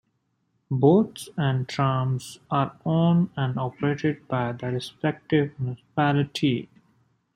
Boats and trams are owned and operated by the respective municipality.